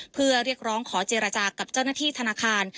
เพื่อเรียกร้องขอเจรจากับเจ้าหน้าที่ธนาคาร